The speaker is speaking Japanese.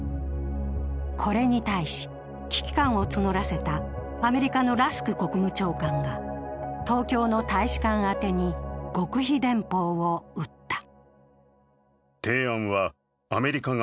これに対し、危機感を募らせたアメリカのラスク国務長官が東京の大使館宛てに極秘電報を打った。